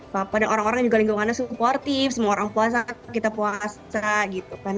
papa dan orang orang juga lingkungannya supportif semua orang puasa kita puasa gitu kan